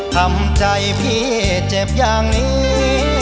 ทำใจพี่เจ็บอย่างนี้